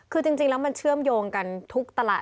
คือจริงแล้วมันเชื่อมโยงกันทุกตลาด